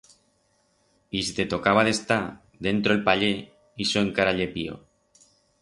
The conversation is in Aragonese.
Y si te tocaba d'estar dentro el paller, ixo encara ye pior.